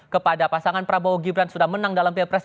kepada pasangan prabowo gibran sudah menang dalam pilpres dua ribu